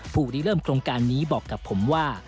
รีเริ่มโครงการนี้บอกกับผมว่า